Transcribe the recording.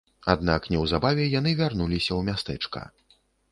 Аднак неўзабаве яны вярнуліся ў мястэчка.